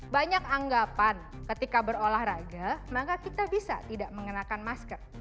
banyak anggapan ketika berolahraga maka kita bisa tidak mengenakan masker